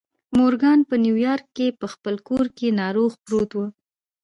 مورګان په نیویارک کې په خپل کور کې ناروغ پروت و